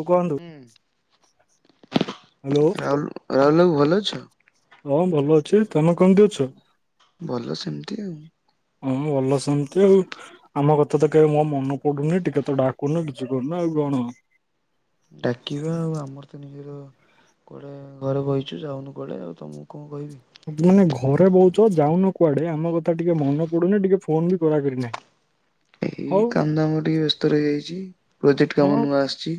ଓ କୁହନ୍ତୁ ହୁଁ। ହାଲୋ। ରାହୁଲ ରାହୁଲ ବାବୁ ଭଲ ଅଛ? ହଁ ଭଲ ଅଛି ତମେ କେମିତି ଅଛ? ଭଲ ସେମିତି ଆଉ। ହଁ ଭଲ ସେମିତି ଆଉ। ଆମ କଥାତ କେବେ ମୋ ମନ ପଡ଼ୁନି ଟିକେତ ଡାକୁନ କିଛି କରୁନ ଆଉ କଣ। ଡାକିବା ଆଉ ଆମରତ ନିଜର କୁଆଡ଼େ ଘରେ ବଇଚୁ ଯାଉନୁ କୁଆଡ଼େ ଆଉ ତମକୁ କଁ କହିବି। ମାନେ ଘରେ ବହୁଚ ଯାଉନ କୁଆଡ଼େ ଆମ କଥା ଟିକେ ମନେ ପଡ଼ୁନି ଟିକେ ଫୋନବି କରା କରିନାହିଁ। ଏଇ କାମନ୍ଦାମ ଟିକେ ବ୍ୟସ୍ତ ରହିଯାଇଚି ପ୍ରଜେକ୍ଟ ହଁ କାମ ନୂଆ ଆସିଚି।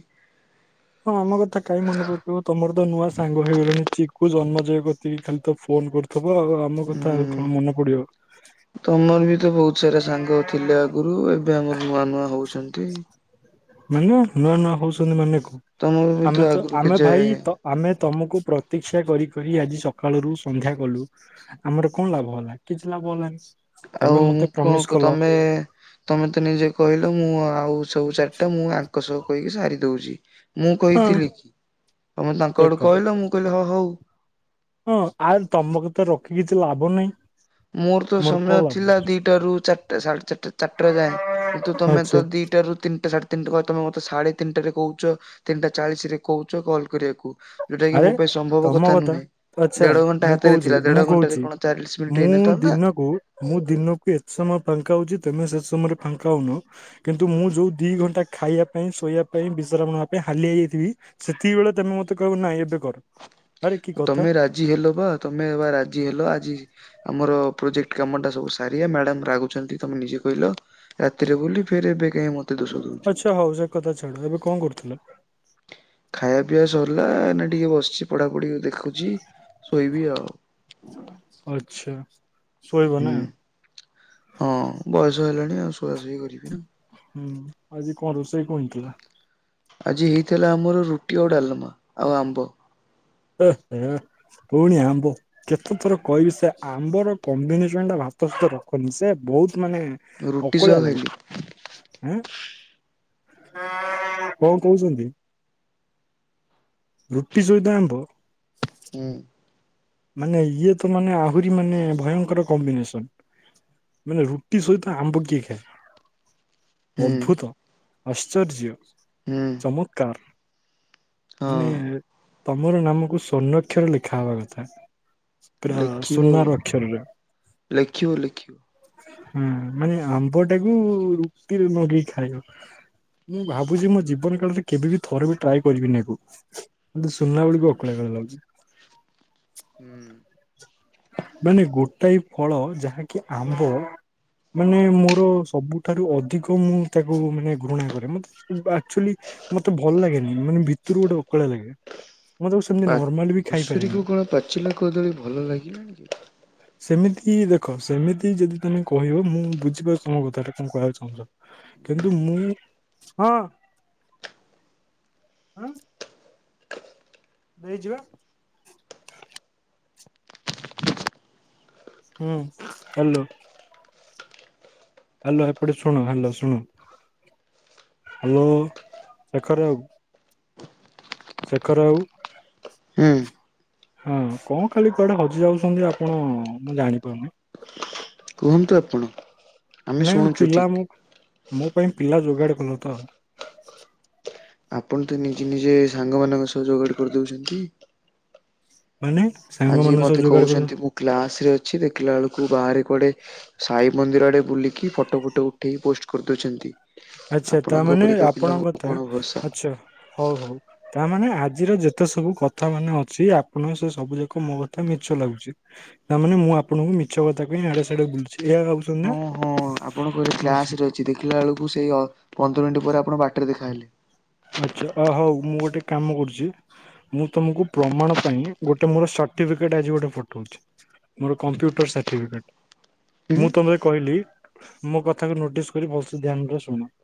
ହଁ ଆମ କଥା କାଇହିଁ ମନ ପକେଇବ ତମରତ ନୂଆ ସାଙ୍ଗ ହେଇଗଲେଣି ଚିକୁ ଜନ୍ମ ଯଗତି ଖାଲିତ ଫୋନ୍ କରୁ ଥିବ ଆଉ ଆମ କଥା ଆଉ କଣ ମନେ ପଡ଼ିବ। ତମରବି ତ ବହୁତ୍ ସାରା ସାଙ୍ଗ ଥିଲେ ଆଗରୁ ଏବେ ଆମର ନୂଆ ନୂଆ ହଉଚନ୍ତି। ମାନେ ନୂଆ ନୂଆ ହଉଛନ୍ତି ମାନେକଁ ତମର ବି ତ ଆମେତ ଆଗରୁ ଆମେ କେତେ ଭାଇ ତ ଆମେ ତମକୁ ପ୍ରତୀକ୍ଷା କରି କରି ଆଜି ସକାଳୁ ସନ୍ଧ୍ୟା କଲୁ ଆମର କଣ ଲାଭ ହେଲା କିଛି ଲାଭ ହେଲାନି ଆଉ ତମେ ମତେ ମୁଁ ପ୍ରମିସ କଁ କଲ ତମେ ତମେତ ନିଜେ କହିଲ ମୁଁ ଆଉ ସବୁ ଚାରିଟା ମୁଁ ଆଙ୍କ ସହ କହିକି ସାରି ଦଉଚି। ମୁଁ ହଁ କହିଥିଲିକି ତମେ ତାଙ୍କ ଦେଖ ଆଡ଼ୁ କହିଲ ମୁଁ କହିଲି ହଁ ହଉ। ହଁ ଆର୍ ତମକୁତ ରଖି କିଛି ଲାଭ ନାହିଁ। ମୋରତ ମୋର କଣ ସମୟ ଲାଭ ଥିଲା ଦିଟାରୁ ଚାରିଟା ସାଢେ ଚାରିଟା ଚାରିଟା ଯାଏଁ କିନ୍ତୁ ଆଛା ତମେତ ଦି ତିନି ଟାରୁ ତିନିଟା ସାଢେ ତମେତ ସାଢେ ତିନଟାରେ କହୁଚ ତିନିଟା ଚାଳିଶରେ କହୁଚ କଲ୍ କରିବାକୁ ଯୋଉଟାକି ଆରେ ମୋ ପାଇଁ ସମ୍ଭବ କଥା ନୁହେଁ ଆଛା ଦେଢଘଣ୍ଟା ମୁଁ ହାତରେ କହୁଛି ଥିଲା ମୁଁ ଦେଢ ଘଣ୍ଟାରେ କହୁଛି କଣ ଚାଳିଶି ମିନିଟ୍ ହେଇ ମୁଁ ଦିନକୁ ମୁଁ ଦିନକୁ ଏତେ ସମୟ ଫାଙ୍କା ହଉଚି ତମେ ସେସମୟରେ ଫାଙ୍କା ହଉନ କିନ୍ତୁ ମୁଁ ଯୋଉ ଦି ଘଣ୍ଟା ଖାଇବା ପାଇଁ ଶୋଇବା ପାଇଁ ବିଶ୍ରାମ ନେବା ପାଇଁ ହାଲିଆ ହେଇଯାଇଥିବି ସେତିକି ବେଳେ ତେମେ ମତେ କଇବ ନାଇଁ ଏବେକର ତମେ ରାଜି ହେଲବା ତମେବା ରାଜି ହେଲ ଆଜି ଆମର ପ୍ରୋଜେକ୍ଟ କାମଟା ସବୁ ସାରିବା ମ୍ୟାଡ଼ାମ ରାଗୁଛନ୍ତି ତମେ ନିଜେ କହିଲ। ରାତିରେ ବୁଲି ଫେର ଏବେ କାଇଁ ମତେ ଦୋଷ ଦଉଚ। ସେ ହଉ ସେକଥା ଛାଡ଼ ଏବେ କଣ କରୁଥିଲ? ଖାଇବା ପିଆ ସରିଲ ଏଇନା ଟିକେ ବସିଚି ପଢ଼ାପଢ଼ି ଦେଖ ରଖୁଚି ଶୋଇବି ଆଉ। ଆଚ୍ଛା ହୁଁ। ଶୋଇବନା। ହଁ ବୟସ ହେଲାଣି ଆଉ ସୁୁଆସୋଇ କରିବିନା। ହୁଁ ଆଜି କଣ ରୋଷେଇ କଁ ହେଇଥିଲା? ଆଜି ହେଇଥିଲା ଆମର ରୁଟି ଆଉ ଡ଼ାଲମା ଆଉ ଆମ୍ବ। ଏହେ ପୁଣିି ଆମ୍ବ କେତେ ଥର କହିବି ସେ ଆମ୍ବର କମ୍ବିନେସନ ଟା ଭାତ ସହିତ ରଖନି ସେ ବହୁତ ମାନେ ରୁଟି ସହ ଅକୁଳିଆ ଲାଗେ। ଖାଇଲି ଉଁ କଣ କଉଚନ୍ତି? ରୁଟି ସହିତ ଆମ୍ବ। ହୁଁ। ମାନେ ଇଏ ତ ମାନେ ଆହୁରି ମାନେ ଭୟଙ୍କର କମ୍ବିନେସନ। ମାନେ ରୁଟି ସହିତ ଆମ୍ବ କିଏ ଖାଏ? ହୁଁ ଅଦ୍ଭୁତ ଆଶ୍ଚର୍ଯ୍ୟ। ହୁଁ। ମୁତ୍ କାର୍ ହଁ ମାନେ ତମର ନାମକୁ ସ୍ୱର୍ଣ୍ଣକ୍ଷର ଲେଖା ହବା କ ଥା ପୁରା ଲେଖିବ ଆଉ ସୁନାର ଅକ୍ଷରରେ। ଲେଖିବ ଲେଖିବ ହୁଁ ମାନେ ଆମ୍ବ ଟାକୁ ରୁଟିରେ ମାରିକି ଖାଇବ। ମୁଁ ଭାବୁଚି ମୋ ଜୀବନ କାଳରେ କେବେ ବିି ଥରେ ବି ଟ୍ରାଏ କରିବିନି ଆକୁ। ମତେ ସୁନାବେଳୁକୁ ଓକାଳି ଓକାଳିଆ ଲାଗୁଚି। ହୁଁ। ମାନେ ଗୋଟାଏ ଫଳ ଯାହାକି ଆମ୍ବ ମାନେ ମୋର ସବୁଠାରୁ ଅଧିକ ମୁଁ ତାକୁ ମାନେ ଘୃଣା କରେ ମତେ ଆକ୍ଚୁଆଲି ମତେ ଭଲ ଲାଗେନି ମାନେ ଭିତୁରୁ ଗୋଟେ ଓକାଳିଆ ଲାଗେ। ମୁଁ ତାକୁ ସେମିତି ନର୍ମାଲ ବି ଖାଇପାରେନି। ଚିଲ କଦଳୀ ଭଲ ଲାଗିଲାଣି କି? ସେମିତି ଦେଖ ସେମିତି ଯଦି ତମେ କହିବ ମୁଁ ବୁଝିପାରୁଚି ତମ କଥାଟା ତମେ କହିବାକୁ ଚାହୁଁଚ। କିନ୍ତୁ ମୁଁ ହଁ ଆଁ। ଦେଇଚି ପା। ହୁଁ ହାଲୋ। ହାଲୋ ଏପଟେ ଶୁଣ ହାଲୋ ଶୁଣ। ହାଲୋ ଶେଖର ବାବୁ। ଶେଖର ବାବୁ। ହୁଁ ହଁ କଣ ଖାଲି କୁଆଡେ ହଜି ଯାଉଛନ୍ତି ଆପଣ ମୁଁ ଜାଣିପାରୁନି। କୁହନ୍ତୁ ଆପଣ? ଆମେ ନାଇଁ ଶୁଣୁଛୁ ପିଲା ଠିକ୍। ଆମୁକୁ ମୋ ପାଇଁ ପିଲା ଯୋଗାଡ଼ କଲ ତ? ଆପଣ ତ ନିଜେ ନିଜେ ସାଙ୍ଗ ମାନଙ୍କ ସହ ଯୋଗାଡ କରିଦଉଛନ୍ତି। ମାନେ ସାଙ୍ଗ ମାନଙ୍କ ସହ ଯୋଗାଡ କରୁ କ୍ଲାସ୍ ରେ ଅଛି ଦେଖିଲା ବେଳକୁ ବାହାରେ କୁଆଡ଼େ ସାଇ ମନ୍ଦିର ଆଡେ ବୁଲିକି ଫଟୋ ଫଟୋ ଉଠେଇକି ପୋଷ୍ଟ କରିଦଉଚନ୍ତି। ଆଚ୍ଛା ତାମାନେ ଆପଣଙ୍କ କଥା କଣ ଭରସା। ଆଛା ହଉ ହଉ। ତାମାନେ ଆଜିର ଯେତେ ସବୁ କଥା ମାନେ ଅଛି ଆପଣ ସେ ସବୁ ଯାକ ମୋ କଥା ମିଛ ଲାଗୁଚି। ତା ମାନେ ମୁଁ ଆପଣଙ୍କୁ ମିଛ କଥା କହି ଆଡେ ସିଆଡେ ବୁଲୁଚି ଏଇଆ ଭାବୁଛନ୍ତି ନା? ହଁ ହଁ ଆପଣ କହିଲେ ଆଚ୍ଛା କ୍ଲାସ ରେ ଅଛି ଦେଖିଲା ବେଳକୁ ସେଇ ଅ ପନ୍ଦର ମିନିଟ୍ ପରେ ଆପଣ ବାଟରେ ଦେଖାହେଲେ। ଆଚ୍ଛା ଅ ହଉ ମୁଁ ଗୋଟେ କାମ କରୁଚି ମୁଁ ତମକୁ ପ୍ରମାଣ ପାଇଁ ଗୋଟେ ମୋର ସାଠିବିକେଟ ଆଜି ଗୋଟେ ପଠଉଛି। ମୋର କମ୍ପ୍ୟୁଟର ସାର୍ଟିଫିକେଟ। ହୁଁ ମୁଁ ତମର କହିଲି ମୋ କଥାକୁ ନୋଟିସ କରି ଭଲ ସେ ଧ୍ୟାନରେ ଶୁଣ।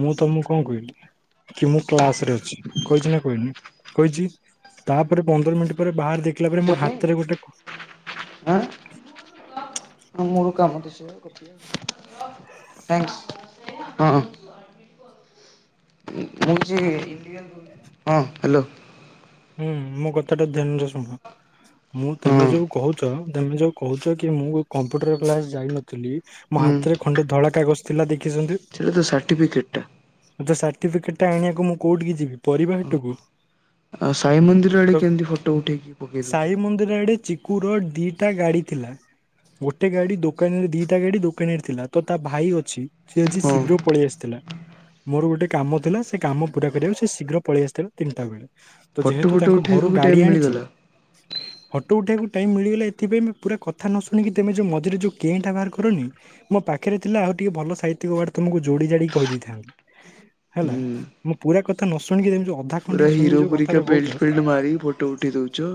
ମୁଁ ତମୁକୁ କଣ କଇଲି? କି ମୁଁ କ୍ଲାସ ରେ ଅଛି କହିଚି ନା କହିନି କହିଛି? ତାପରେ ପନ୍ଦର ମିନିଟ୍ ପରେ ବାହାର ଦେଖିଲା ମୁଁ ପରେ ମୋ ସେମି ହାତରେ ଗୋଟେ କ ହଁ ମୋର କାମ ତ ସେୟା ଗପିବା ଆଉ ଥ୍ୟାଙ୍କସ୍। ମୁଁ ହଉଛି ହଁ ହାଲୋ। ହୁଁ ମୋ କଥା ଟିକେ ଧ୍ୟାନରେ ଶୁଣ। ମୁଁ ହଁ ତମେ ଯୋଉ କହୁଛ ତମେ ଯୋଉ କହୁଛ କି ମୁଁ କମ୍ପୁଟର କ୍ଲାସ ଯାଇନଥିଲି। ମୋ ହାତରେ ଖଣ୍ଡେ ଧଳା କାଗଜ ଥିଲା ଦେଖିଛନ୍ତି। ସୋଇଟା ତ ସାର୍ଟିଫିକେଟ୍ ଟା। ହଁ ତ ସାର୍ଟିଫିକେଟ ଟା ଆଣିବାକୁ ମୁଁ କୋଉଠିକି ଯିବି ପରିବା ହାଟୁକୁ। ଆଉ ସାଇ ମନ୍ଦିର ଆଡ଼େ କେମିତି ଫଟୋ ଉଠେଇକି ପକେଇ ଦଉଛ। ଯେ ୟାଡେ ଚିକୁର ଦିଇଟା ଗାଡ଼ି ଥିଲା। ଗୋଟେ ଗାଡି ଦୋକାନରେ ଦିଟା ଗାଡି ଦୋକାନରେ ଥିଲା ତ ତା ଭାଇ ଅଛି। ସିଏ ଆଜି ହଁ ଶୀଘ୍ର ପଳେଇ ଆସିଥିଲା। ମୋର ଗୋଟେ କାମ ଥିଲା ସେ କାମ ପୁରା କରିବାକୁ ସେ ଶୀଘ୍ର ପଳେଇ ଆସିଥିଲା ତିନିଟା ବେଳେ। ତ ଫଟୋ ଯେହେତୁ ଫଟୋ ତାଙ୍କ ଘରୁ ଉଠାଇବାକୁ ବି ଗାଡି ଟାଇମ୍ ଆଣିଚି ମିଳିଗଲା। ଫଟୋ ଉଠେଇବାକୁ ଟାଇମ୍ ମିଳିଗଲା ଏଥିପାଇଁ ପୁରା କଥା ନ ଶୁଣିକି ତମେ ଯୋଉ ମଝିରେ ଯୋଉ କେଁ ଟା ବାହାର କରନି। ମୋ ପାଖରେ ଥିଲା ଆଉ ଟିକେ ଭଲ ସାହିତ୍ୟକ ୱ। ର୍ଡ ତମକୁ ଯୋଡ଼ି ଯାଡି କହି ଦେଇଥାନ୍ତି। ହେଲା ହୁଁ ମୋ ପୁରା କଥା ନ ଶୁଣିକି ଏମିତି ଯୋଉ ଅଧା ଖଣ୍ଡିଆ ଶୁଣିକି ଯୋଉ। କା କଥାଟା କହୁଚ ବେଲଟ ଫେଲଟ ମାରି କି ଫଟୋ ଉଠେଇ ଦଉଚ।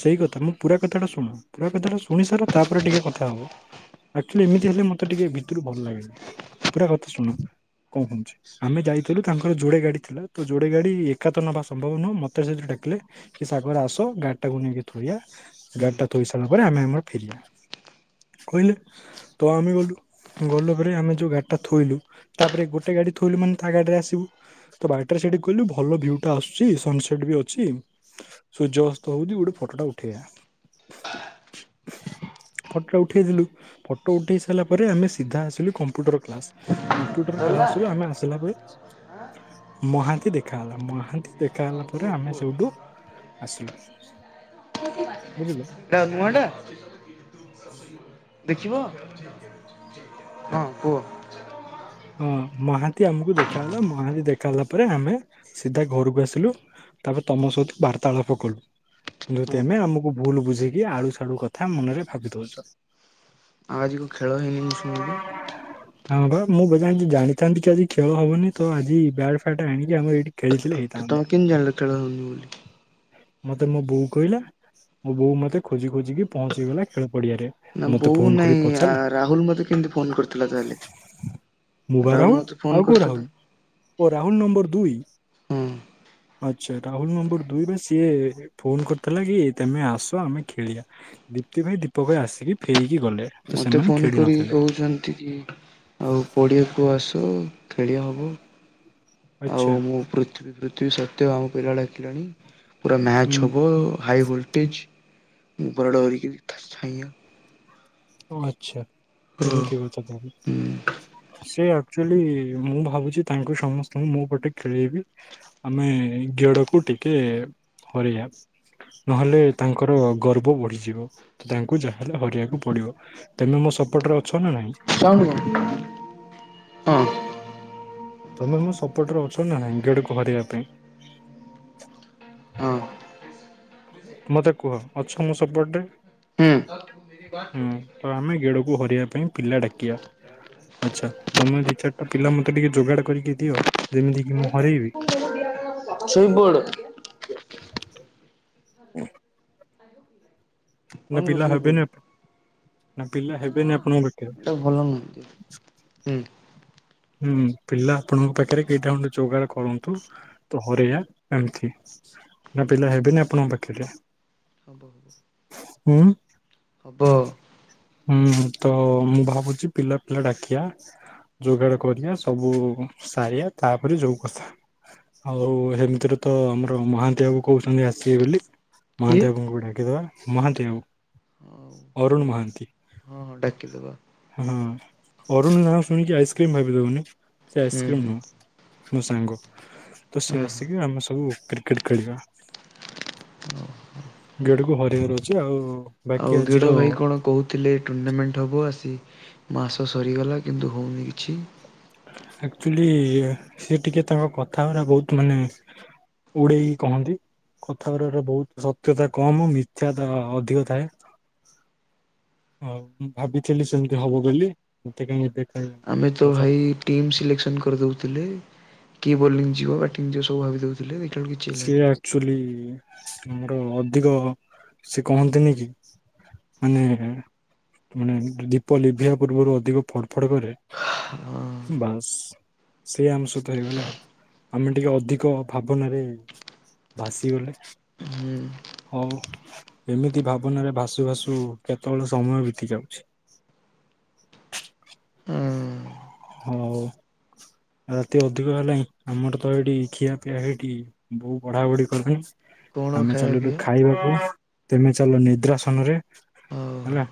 ସେଇ କଥା ମୋ ପୁରା କଥାଟା ଶୁଣ ପୁରା କଥାଟା ଶୁଣି ସାର ତାପରେ ଟିକେ କଥା ହବ। ଆକ୍ଚୁଆଲି ଏମିତି ହେଲେ ମତେ ଟିକେ ଭିତରୁ ଭଲ ଲାଗେନି ପୁରା କଥା ଶୁଣ। କଁ ହଁଉଛି ଆମେ ଯାଇଥିଲୁ ତାଙ୍କର ଯୋଡେ ଗାଡି ଥିଲା ତ ଯୋଡେ ଗାଡି ଏକାତ ନବା ସମ୍ଭବ ନୁହଁ ମତେ ସେଉଠୁ ଡାକିଲେ କି ଶାଗରେ ଆସ ଗାଡି ଟାକୁ ନେଇକି ଥୋଇବା ଗାଡି ଟା ଥୋଇ ସାରିଲା। ପରେ ଆମେ ଆମର ଫେରିିବା କହିଲେ ତ ଆମେ ଗଲୁ। ଗଲୁ ପରେ ଆମେ ଯୋଉ ଗାଡି ଟା ଥୋଇଲୁ ତାପରେ ଗୋଟେ ଗାଡି ଥୋଇଲୁ ମାନେ ତା ଗାଡିରେ ଆସିବୁ। ତ ବାଟରେ ସେଇଠି କହିଲୁ ଭଲ ଭ୍ୟୁଟା ଆସୁ ଛି ସନସେଟ ବି ଅଛି ସୂର୍ଯ୍ୟ ଅସ୍ତ ହଉଛି ଗୋଟେ ଫଟୋ ଟା ଉଠେଇବା। ଫଟୋ ଟା ଉଠେଇ ଦେଲୁ ଫଟୋ ଉଠେଇ ସାରିଲା ପରେ ଆମେ ସିଧା ଆସିଲୁ କମ୍ପ୍ୟୁଟର କ୍ଲାସ। କମ୍ପ୍ୟୁଟର ସରିଲା କ୍ଲାସ ରୁ ଆମେ ଆସିଲା ପରେ ମହାନ୍ତି ଦେଖା ହେଲା ମହାନ୍ତି। ଦେଖା ହଁ ହେଲା କୁହ ପରେ ଆମେ କୁହ। ସେଉଠୁ ଆସିଲୁ ବୁଝିଲ। ଏଇଟା ନୂଅଟା। ଦେଖିବ। ହଁ କୁହ‌। ହଁ ମହାନ୍ତି ଆମକୁ ଦେଖା ହେଲା ମହାନ୍ତି ଦେଖା ହେଲା ପରେ ଆମେ ସିଧା ଘରକୁ ଆସିଲୁ। ତାପରେ ତମ ସହିତ ବାର୍ତ୍ତାଳାପ କଲୁ। କିନ୍ତୁ ହଁ ତେମେ ଆଉ ଆମକୁ ଭୁଲ ବୁଝିକି ଆଳୁ ସାଡୁ କଥା ମନରେ ଭାବି ଦଉଛ। ଆଉ ଆଜିି କଁ ଖେଳ ହେଇନି ମୁଁ ଶୁଣିଲି। ହଁ ବା ମୁଁ ବା ଜଦି ଜାଣିଥାନ୍ତି କି ଆଜି ଖେଳ ହବନି ତ ଆଜି ବ୍ୟାଟ୍ ଫ୍ୟାଟ ଆଣିକି ଆମର ଏଠି ଖେଳିଥିଲେ ତ ତମେ ହେଇଥାନ୍ତ। କେମିତି ଜାଣିଲ ଖେଳ ହଉନି ବୋଲି? ମତେ ମୋ ବୋଉ କହିଲା। ମୋ ବୋଉ ମତେ ଖୋଜି ଖୋଜିିକି ପହଞ୍ଚିଗଲା ଖେଳ ପଡିଆରେ। ନା ମତେ ବୋଉ ଫୋନ କରି ନାହିଁ ଆ ପଚାରିଲା ରାହୁଲ ମତେ କେମିତି ଫୋନ କରିଥିଲା ତାହେଲେ। ମୁଁ ବା ରାହୁଲ ମତେ ଫୋନ ଆଉ କୋଉ କରିଥିଲା ଓ ରାହୁଲ ନମ୍ବର ଦୁଇ। ହଁ ଆଚ୍ଛା ରାହୁଲ ନମ୍ବର ଦୁଇରେ ସିଏ ଫୋନ କରିଥିଲା କି ତମେ ଆସ ଆମେ ଖେଳିବା। ଦୀପ୍ତି ଭାଇ ଦୀପକ ଭାଇ ଆସିକି ଫେରିକି ଗଲେ। ତ ମତେ ସେମାନେ ଫୋନ ଖେଳି କରିକି ନଥିଲେ। କହୁଛନ୍ତି କି? ଆଉ ପଡ଼ିଆକୁ ଆସ ଖେଳି ହବ ଆଚ୍ଛା ଆଉ ମୁଁ ପୃ ପୃଥିବୀ ପୃଥିବୀ ସତ୍ୱେ ଆମ ପିଲା ଡାକିଲାଣି ପୁରା ମ୍ୟାଚ୍ ହୁଁ ହେବ ହାଇ ଭୋଲ୍ଟେଜ୍। ମୁଁ ପୁରା ଡ଼ରିକି ଥାଶ୍ ଥେଇୟା। ଓ ଆଚ୍ଛା ହଁ ଏମିତି କଥା ତାହେଲେ। ସେ ଆକ୍ଚୁଆଲି ମୁଁ ଭାବୁଛି ତାଙ୍କୁ ସମସ୍ତଙ୍କୁ ମୋ ପଟେ ଖେଳେଇବି। ଆମେ ଗେଡ଼କୁ ଟିକେ ହରେୟା। ନହେଲେ ତାଙ୍କର ଗର୍ବ ବଢିଯିବ ତାଙ୍କୁ ଯାହାଲେ ହରେବାକୁ ପଡିବ। ତମେ ମୋ ସପୋର୍ଟ ରେ ଅଛ ନା ନାହିଁ? ଚାଉମିନ୍ ହଁ। ତମେ ମୁଁ ସପୋଟ ରେ ଅଛ ନାହିଁ ଗେଡୁକୁ ହରେବା ପାଇଁ? ହଁ। ମତେ କୁହ ଅଛ ମୋ ସପୋର୍ଟ ରେ? ହୁଁ। ହଁ ଆମେ ଗେଡୁକୁ ହରେବା ପାଇଁ ପିଲା ଡାକିବା। ଆଚ୍ଛା ତମେ ଦି ଚାରିଟା ପିଲା ମତେ ଟିକେ ଯୋଗାଡ କରିକି ଦିଅ ଯେମିତି କିି ମୁଁ ହରେଇବି। ଶୋଇପଡ଼। ଓ ନା ଅନକୁ ପିଲା ଶୋଇପଡ ହେବେନି ନା ପିଲା ହେବେନି ଆପଣଙ୍କ ପାଖରେ? ଏଟା ଭଲ ନୁହନ୍ତି ହୁଁ। ହୁଁ ପିଲା ଆପଣଙ୍କ ପାଖରେ କେଇଟା ଖଣ୍ଡେ ଯୋଗାଡ଼ କରନ୍ତୁ ତ ହରେଆ ଏମିତି। ନା ପିଲା ହେବେନି ଆପଣଙ୍କ ପାଖରେ ହବ ହୁଁ? ବ। ହୁଁ ତ ମୁଁ ଭାବୁଛି ପିଲା ପିଲା ଡାକିଆ। ଯୋଗାଡ କରିବା ସବୁ ସାରିଆ ତାପରେ ଯୋଉ କଥା। ଆଉ ହେମିତିରେ ତ ଆମର ମହାନ୍ତି ବାବୁ କହୁଛନ୍ତି ଆସିବେ ବୋଲି। କିଏ ମହାନ୍ତିବାବୁଙ୍କୁ ଡାକିଦବା ମହାନ୍ତିବାବୁ ହଉ ହଉ ଅରୁଣ ମହାନ୍ତି। ହଁ ହଁ ଡାକିଦବା। ହଁ ଅରୁଣ ନାଁ ଶୁଣିକି ଆଇସ୍କ୍ରିମ ଭାବିଦବୁନି ସେ ହୁଁ ହୁଁ। ଆଇସ୍କ୍ରିମ ନୁହଁ। ମୋ ସାଙ୍ଗ ତ ସିଏ ହଁ ହଁ ଆସିକି ଆମେ ସବୁ କ୍ରିକେଟ ଖେଳିବା। ଗେଡୁ କୁ ହରେଇବାର ଅଛି ଆଉ ବାକି ଆଉ ଆଜିର ଗେଡ଼ ଭାଇ କଣ କହୁ ଥିଲେ ଟୁର୍ଣ୍ଣାମେଣ୍ଟ ହେବ ଆସି ମାସ ସରିଗଲା କିନ୍ତୁ ହୋଉନି କିଛି। ଆକ୍ଚୁଆଲି ସେ ଟିକେ ତାଙ୍କ କଥା ଗୁରା ବହୁତ ମାନେ ଉଡେଇକି କହନ୍ତି। କଥାବାର ବାରେ ବହୁତ ସତ୍ୟତା କମ ମିଥ୍ୟା ଅଧିକ ଥାଏ। ହୋଉ ମୁଁ ଭାବିଥିଲି ସେମିତି ହବ ବୋଲି ମତେ କାଇହିଁ ଏତେ କାଇଁ ଆମେ ତ ଭାଇ ଟିମ୍ ସିଲେକ୍ସନ କରିଦଉଥିଲେ କି ବୋଲିଂ ଯିବ ବ୍ୟାଟିଂ ଯିବ ସବୁ ଭାବି ଦଉଥି ଦେଖିଲା ବେଳକୁ କିଛିିହେଲାନି। ଆଚୁଆଲି ଆମର ଅଧିକ ସେ କହନ୍ତିନି କି? ମାନେ ମାନେ ଦୀପ ଲିଭିବା ପୂର୍ବରୁ ଅଧିକ ଫଡ ଫଡ କରେ। ହା ହୁଁ ବାସ୍ ସେଇ ଆମ ସହିତ ହେଇଗଲା ଆଉ ଆମେ ଟିକେ ଅଧିକ ଭାବନାରେ ଭାସିଗଲେ ହୁଁ ହୋଉ। ଏମିତି ଭାବନାରେ ଭାସୁ ଭାସୁ କେତେବେଳେ ସମୟ ବିତି ଯାଉଛି। ହଁ ହୋଉ। ରାତି ଅଧିକ ହେଲାଣି ଆମର ତ ଏଇଠି ଖିଆପିଆ ହେଇଠି ବହୁତ ବଢା ବଢି କଲେଣି। କଣ ଆମେ ଖାଇବା ଚାଲୁଲୁ ପିଇବା ଖାଇବାକୁ ତେମେ ଚାଲ ନିଦ୍ରାସନ ରେ। ହେଲା ହଉ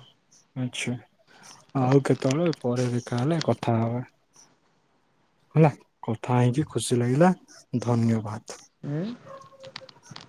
ଆଚ୍ଛା ହଉ ଆଉ କେତେବେଳେ ପରେ ଦେଖା ହେଲେ କ ଥା ହବା। ହେଲା କଥା ହେଇକି ଖୁସି ଲାଗିଲା ଧନ୍ୟବାଦ। ହଉ।